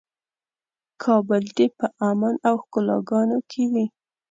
کابل دې په امن او ښکلاګانو کې وي.